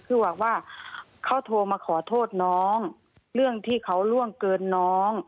คือหวังว่าเขาโทรมาขอโทษน้องเรื่องที่เขาล่วงเกินน้อง